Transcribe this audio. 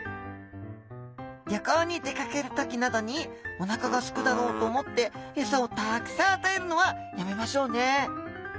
旅行に出かける時などにおなかがすくだろうと思ってエサをたくさん与えるのはやめましょうね。